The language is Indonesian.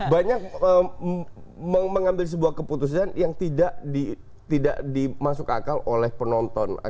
banyak mengambil sebuah keputusan yang tidak dimasuk akal oleh penonton